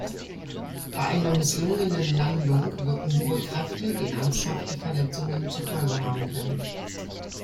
Bei einer misslungenen Landung wirken hohe Kräfte, die ernsthafte Verletzungen zur Folgen haben können.